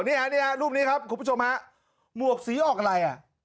นี่ฮะรูปนี้ครับคุณผู้ชมฮะหมวกสีออกอะไรอ่ะ